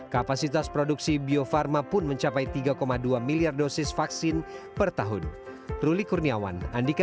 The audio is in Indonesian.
kapasitas produksi bio farma pun mencapai tiga dua miliar dosis vaksin per tahun